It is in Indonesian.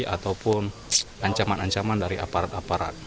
ataupun ancaman ancaman dari aparat aparat